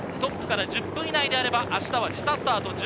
トップから１０分以内であれば、明日は時差スタート。